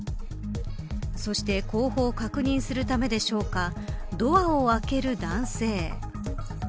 そして、後方を確認するためでしょうかドアを開ける男性。